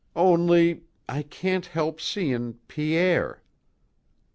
"Only I can't help seein' Pierre."